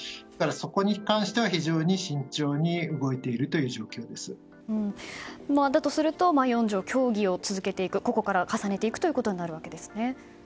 そこに関しては、非常に慎重にだとすると４条の協議を続けていくここから重ねていくということになるわけですね。